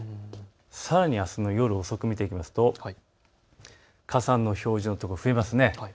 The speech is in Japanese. さらにあすの夜遅くを見ていくと傘の表示の所が増えますね。